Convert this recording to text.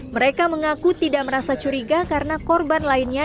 mereka mengaku tidak merasa curiga karena korban lainnya